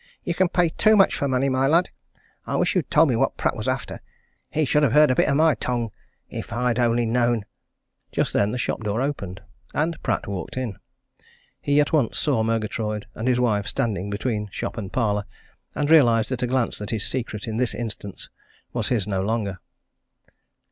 "You can pay too much for money, my lad! I wish you'd told me what that Pratt was after he should have heard a bit o' my tongue! If I'd only known " Just then the shop door opened, and Pratt walked in. He at once saw Murgatroyd and his wife standing between shop and parlour, and realized at a glance that his secret in this instance was his no longer.